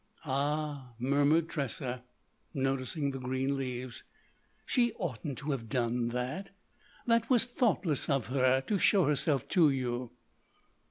"Ah," murmured Tressa, noticing the green leaves, "she oughtn't to have done that. That was thoughtless of her, to show herself to you."